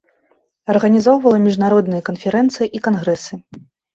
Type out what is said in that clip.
Арганізоўвала міжнародныя канферэнцыі і кангрэсы.